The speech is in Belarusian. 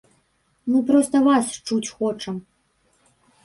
Мы проста вас чуць хочам.